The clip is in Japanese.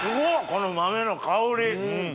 この豆の香り。